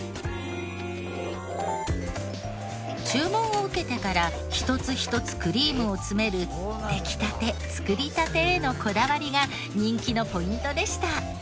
注文を受けてから一つ一つクリームを詰める出来たて作りたてへのこだわりが人気のポイントでした。